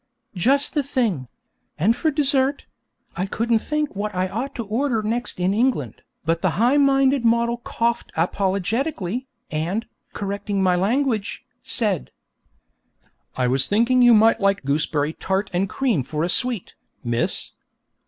'Just the thing; and for dessert ' I couldn't think what I ought to order next in England, but the high minded model coughed apologetically, and, correcting my language, said: 'I was thinking you might like gooseberry tart and cream for a sweet, miss.'